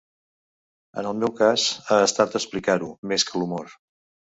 En el meu cas ha estat explicar-ho, més que l’humor.